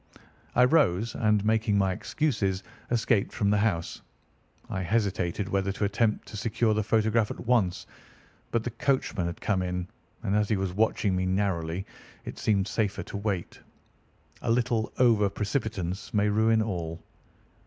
I rose, and, making my excuses, escaped from the house. I hesitated whether to attempt to secure the photograph at once; but the coachman had come in, and as he was watching me narrowly, it seemed safer to wait. A little over precipitance may ruin all."